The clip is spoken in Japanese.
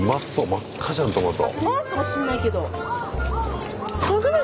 真っ赤じゃんトマト。